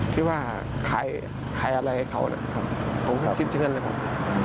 ที่ว่าขายอะไรให้เขานะครับผมคิดอย่างนั้นนะครับ